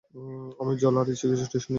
আমি জল আর কিছু টিস্যু নিয়ে আসছি।